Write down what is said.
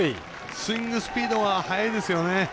スイングスピードが速いですよね。